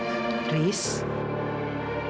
aku masih tidak percaya kamu menggugurkannya